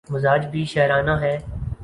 مزاج بھی شاعرانہ ہے۔